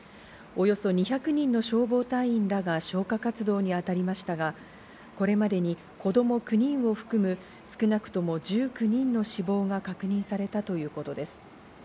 およそ２００人の消防隊員らが消火活動にありましたが、これまでに子供９人を含む少なくとも１９人の死亡が確認されたということです。